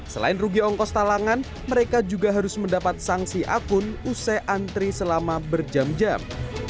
selain rugi ongkos talangan mereka juga harus mendapat sanksi akun usai antri selama berjam jam